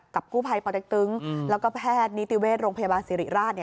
กับกู้ภัยปตึ๊งแล้วก็แพทย์นิติเวทย์โรงพยาบาลศิริราชเนี่ย